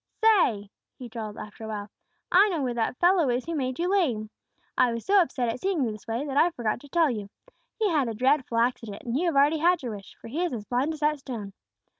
"Say," he drawled, after awhile, "I know where that fellow is who made you lame. I was so upset at seeing you this way that I forgot to tell you. He had a dreadful accident, and you have already had your wish, for he is as blind as that stone."